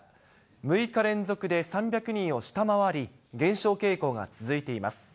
６日連続で３００人を下回り、減少傾向が続いています。